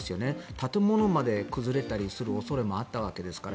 建物まで崩れたりする恐れもあったわけですから。